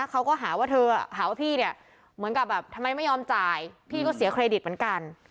เขาก็หาว่าเธอหาว่าพี่เนี่ยเหมือนกับแบบทำไมไม่ยอมจ่ายพี่ก็เสียเครดิตเหมือนกัน